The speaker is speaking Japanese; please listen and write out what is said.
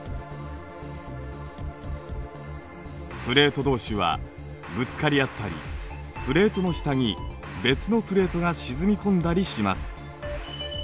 プレートどうしはぶつかりあったりプレートの下に別のプレートが沈み込んだりします。